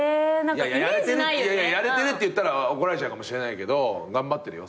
いやいややれてるって言ったら怒られちゃうかもしれないけど頑張ってるよ